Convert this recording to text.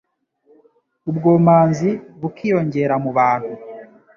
ubwomanzi bukiyongera mu bantu